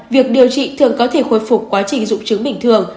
việc điều trị thường có thể khôi phục quá trình dụng chứng bình thường